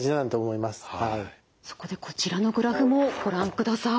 そこでこちらのグラフもご覧ください。